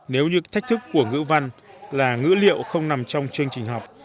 nếu như thách thức của ngữ văn là ngữ liệu không nằm trong chương trình học